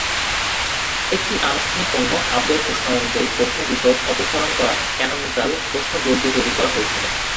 একটি আনুষ্ঠানিক পণ্য আপডেট ঘোষণা অনুযায়ী, প্রশ্ন বিশদ অপসারণ করা ক্যানোনিকাল প্রশ্ন জোর দিয়ে তৈরি করা হয়েছিল